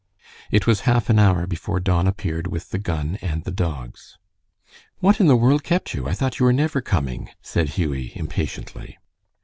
It was half an hour before Don appeared with the gun and the dogs. "What in the world kept you? I thought you were never coming," said Hughie, impatiently.